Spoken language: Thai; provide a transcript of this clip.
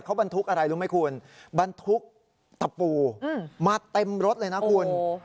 เขาบรรทุกอะไรรู้ไหมคุณบรรทุกตะปูมาเต็มรถเลยนะคุณ